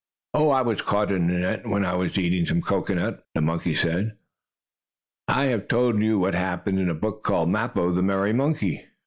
"I was caught in a net, when I was eating some cocoanut," the monkey said. I have told you how that happened in a book called, "Mappo, the Merry Monkey."